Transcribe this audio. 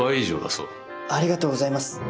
ありがとうございます。